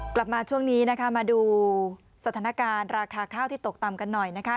กลับมาช่วงนี้นะคะมาดูสถานการณ์ราคาข้าวที่ตกต่ำกันหน่อยนะคะ